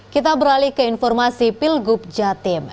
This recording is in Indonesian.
kita beralih ke informasi pilgub jatim